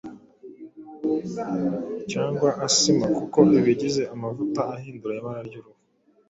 cyangwa Asima kuko ibigize amavuta ahindura ibara ry’uruhu